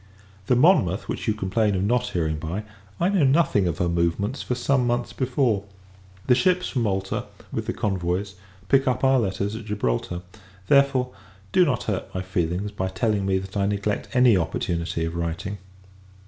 The Monmouth, which you complain of not hearing by, I knew nothing of her movements for some months before. The ships from Malta, with the convoys, pick up our letters at Gibraltar. Therefore, do not hurt my feelings, by telling me that I neglect any opportunity of writing.